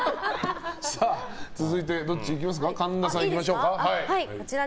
続いて、神田さんいきましょう。